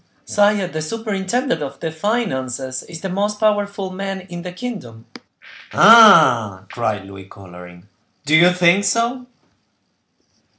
"Sire, the superintendent of the finances is the most powerful man in the kingdom." "Ah!" cried Louis, coloring, "do you think so?"